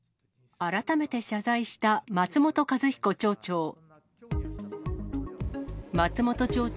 改めて謝罪した松本一彦町長。